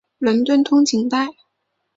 伦敦通勤带。